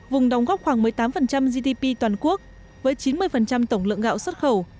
vùng đóng góp khoảng một mươi tám gdp toàn quốc với chín mươi tổng lượng gạo xuất khẩu